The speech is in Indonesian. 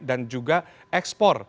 dan juga ekspor